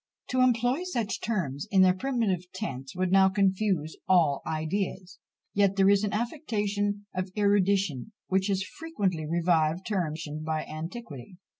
To employ such terms in their primitive sense would now confuse all ideas; yet there is an affectation of erudition which has frequently revived terms sanctioned by antiquity.